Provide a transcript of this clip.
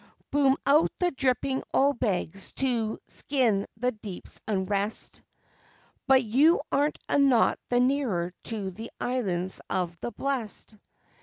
Boom out the dripping oil bags to skin the deep's unrest But you aren't a knot the nearer to the Islands of the Blest.